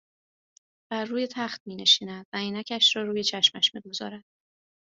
بر روی تخت مینشیند و عینکش را روی چشمش میگذارد